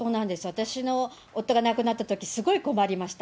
私の夫が亡くなったとき、すごい困りました。